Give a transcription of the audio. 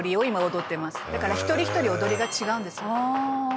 「だから一人一人踊りが違うんです」